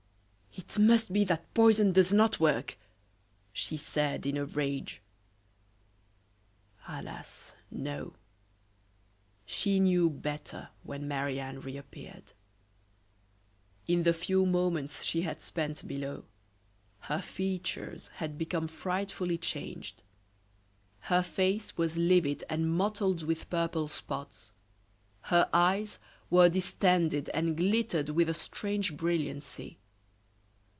"It must be that poison does not work!" she said, in a rage. Alas! no. She knew better when Marie Anne reappeared. In the few moments she had spent below, her features had become frightfully changed. Her face was livid and mottled with purple spots, her eyes were distended and glittered with a strange brilliancy.